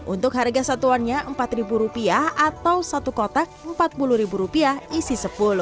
untuk harga satuannya rp empat atau satu kotak rp empat puluh isi sepuluh